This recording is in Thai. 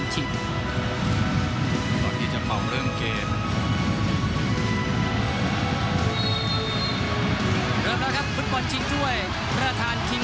พิมธิชักไทยแชมป์